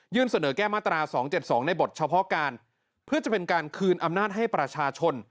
เสนอแก้มาตรา๒๗๒ในบทเฉพาะการเพื่อจะเป็นการคืนอำนาจให้ประชาชน